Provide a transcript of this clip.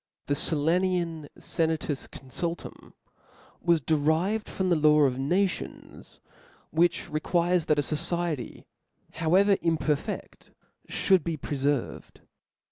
The Sillanian Senatus Confultum was derived from the law of nations, which requires that a fociety, however imperfcft, fhould be preferved.